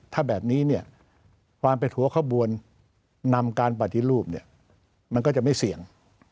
ถ้าแบบนี้เนี่ยความแบถวะหเข้าบวลนำการปฏิรูปมันก็จะไม่เสี่ยง